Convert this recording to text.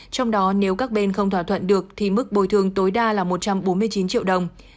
trong đó nếu các bên không thỏa thuận được thì mức bồi thường tối đa là một trăm bốn mươi chín triệu đồng